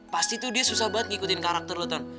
pasti tuh dia susah banget ngikutin karakter lo ton